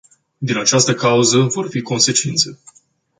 Din această cauză, vor fi consecințe.